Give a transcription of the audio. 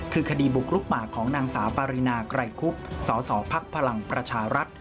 คือคดีบุกลุกป่าของนางสาวปารีนาไกรคุบสสพลังประชารัฐ